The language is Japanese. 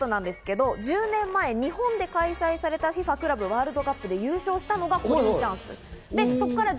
なんでかということなんですが、１０年前日本で開催されたＦＩＦＡクラブワールドカップで優勝したのがコリンチャンス。